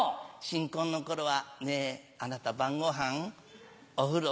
新婚の頃は「ねぇあなた晩ごはん？お風呂？